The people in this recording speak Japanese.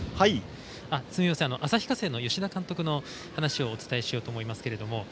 旭化成の監督の話をお伝えしようと思います。